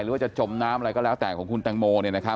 หรือว่าจะจมน้ำอะไรก็แล้วแต่ของคุณแตงโม